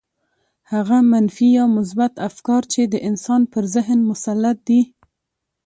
هغه منفي يا مثبت افکار چې د انسان پر ذهن مسلط دي.